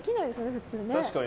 普通ね。